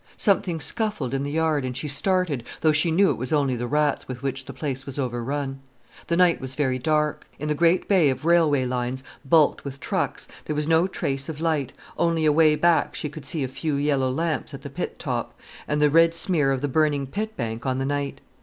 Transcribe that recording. Something scuffled in the yard, and she started, though she knew it was only the rats with which the place was overrun. The night was very dark. In the great bay of railway lines, bulked with trucks, there was no trace of light, only away back she could see a few yellow lamps at the pit top, and the red smear of the burning pit bank on the night.